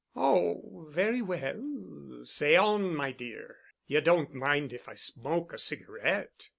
"Oh, very well,—say on, my dear. You don't mind if I smoke a cigarette?"